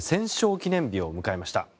記念日を迎えました。